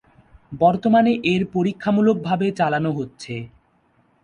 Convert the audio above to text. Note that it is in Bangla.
বর্তমানে এর পরীক্ষামূলক ভাবে চালানো হচ্ছে।